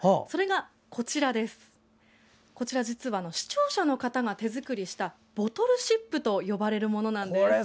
それが、視聴者の方が手作りしたボトルシップと呼ばれるものなんです。